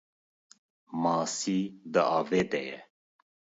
Masî di avê de ye